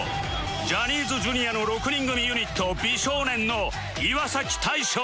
ジャニーズ Ｊｒ． の６人組ユニット美少年の岩大昇